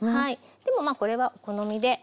でもまあこれはお好みで。